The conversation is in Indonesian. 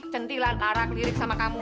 centilan arak lirik sama kamu